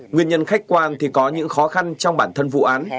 nguyên nhân khách quan thì có những khó khăn trong bản thân vụ án